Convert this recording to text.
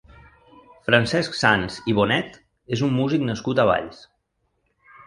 Francesc Sans i Bonet és un músic nascut a Valls.